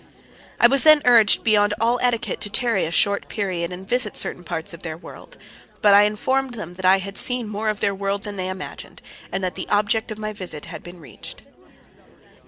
I was then urged beyond all etiquette to tarry a short period and visit certain parts of their world. But I informed them that I had seen more of their world than they imagined, and that the object of my visit had been reached.